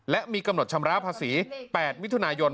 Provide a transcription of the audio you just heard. และมีกำหนดชำระภาษี๘มิถุนายน